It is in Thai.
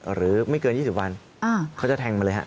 หรือไม่เกิน๒๐วันเขาจะแทงมาเลยฮะ